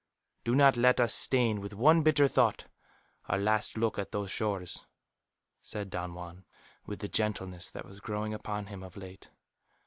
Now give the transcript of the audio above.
"Do not let us stain with one bitter thought our last look at those shores," said Don Juan, with the gentleness that was growing upon him of late.